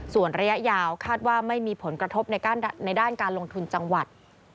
ส่วนระยะยาวคาดว่าไม่มีผลกระทบในด้านการลงทุนจังหวัด